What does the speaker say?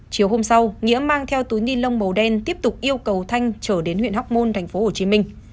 chiều hôm sau nghĩa mang theo túi ni lông màu đen tiếp tục yêu cầu thanh trở đến huyện hóc môn thành phố hồ chí minh